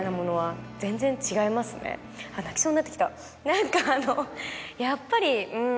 何かあのやっぱりうん。